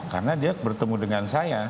karena dia bertemu dengan saya